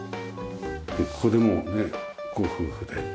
でここでもうねご夫婦でね。